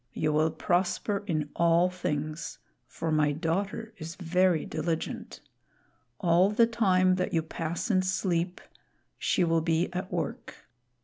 You will prosper in all things, for my daughter is very diligent. All the time that you pass in sleep, she will be at work.